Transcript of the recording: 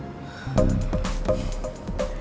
jangan lupa like share dan subscribe ya